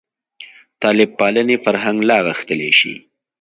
طالب پالنې فرهنګ لا غښتلی شي.